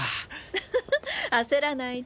フフッ焦らないで。